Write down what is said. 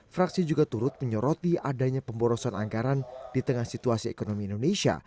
fraksi juga turut menyoroti adanya pemborosan anggaran di tengah situasi ekonomi indonesia